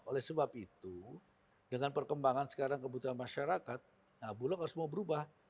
oleh sebab itu dengan perkembangan sekarang kebutuhan masyarakat nah bulog harus mau berubah